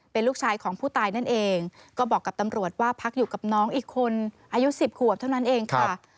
เป็นลูกชายของผู้ตายนั่นเองก็บอกกับตำรวจว่าพักอยู่กับน้องอีกคนอายุ๑๐ขวบเท่านั้นเองค่ะ